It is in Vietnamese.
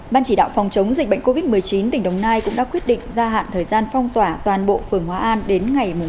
ban chỉ đạo phòng chống dịch bệnh covid một mươi chín tỉnh đồng nai cũng đã quyết định gia hạn thời gian phong tỏa toàn bộ phường hóa an đến ngày chín